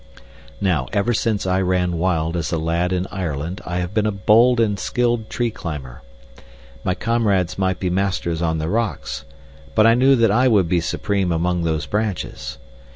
Now, ever since I ran wild as a lad in Ireland I have been a bold and skilled tree climber. My comrades might be my masters on the rocks, but I knew that I would be supreme among those branches.